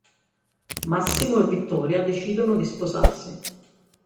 Massimo e Vittoria decidono di sposarsi.